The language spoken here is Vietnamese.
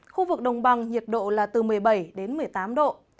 khu vực đồng bằng nhiệt độ là từ một mươi bảy đến một mươi tám độ